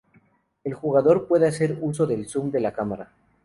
El jugador puede hacer uso del zoom de la cámara.